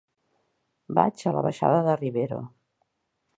Vaig a la baixada de Rivero.